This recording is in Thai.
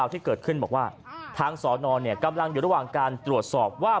ที่เกิดขึ้นบอกว่าทางสอนอนกำลังอยู่ระหว่างการตรวจสอบว่า